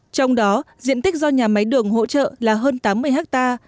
trong đó diện tích do nhà máy đường hỗ trợ là hơn tám mươi ha